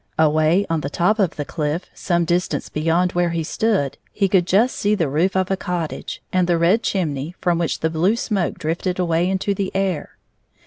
Away on the top of the cliff, some distance beyond where he stood, he could just see the roof of a cottage, and the red chimney, from which the blue smoke drifted away into the air.